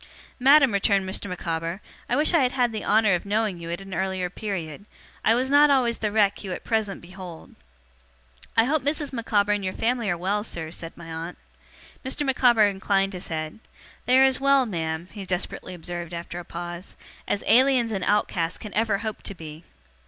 'Madam,' returned Mr. Micawber, 'I wish I had had the honour of knowing you at an earlier period. I was not always the wreck you at present behold.' 'I hope Mrs. Micawber and your family are well, sir,' said my aunt. Mr. Micawber inclined his head. 'They are as well, ma'am,' he desperately observed after a pause, 'as Aliens and Outcasts can ever hope to be.